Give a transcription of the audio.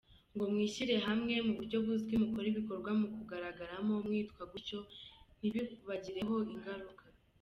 Ngo mwishyire hamwe mu buryo buzwi mukore ibikorwa ku mugaragaro mwitwa gutyo ntibibagireho ingaruka.